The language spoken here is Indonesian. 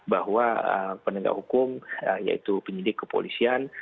bahwa penegak hukum yaitu penyidik kepolisian